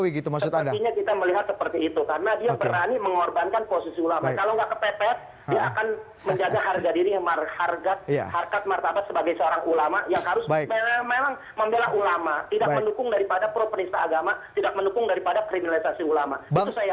itu saya yakin